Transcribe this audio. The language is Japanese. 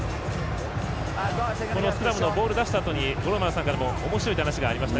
スクラムのボールを出したあとに五郎丸さんからもおもしろいという話がありました。